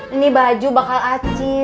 ini baju bakal atir